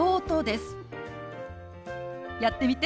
やってみて。